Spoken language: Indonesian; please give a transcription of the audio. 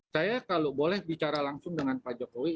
saya kalau boleh bicara langsung dengan pak jokowi